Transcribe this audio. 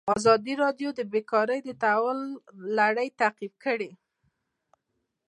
ازادي راډیو د بیکاري د تحول لړۍ تعقیب کړې.